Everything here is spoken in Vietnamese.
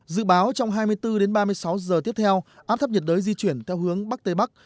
dự báo trong hai mươi bốn đến ba mươi sáu giờ tiếp theo áp thấp nhiệt đới di chuyển theo hướng bắc tây bắc